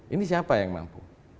ini siapa yang mampu